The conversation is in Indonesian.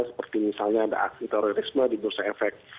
seperti misalnya ada aksi terorisme di bursa efek